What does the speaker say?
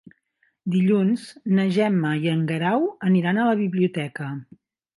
Dilluns na Gemma i en Guerau aniran a la biblioteca.